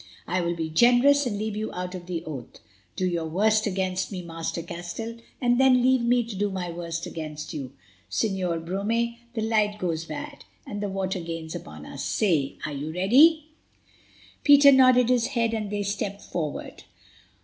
I will be generous, and leave you out of the oath. Do your worst against me, Master Castell, and then leave me to do my worst against you. Señor Brome, the light grows bad, and the water gains upon us. Say, are you ready?" Peter nodded his head, and they stepped forward.